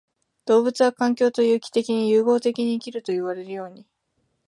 動物は環境と有機的に融合的に生きるといわれるように、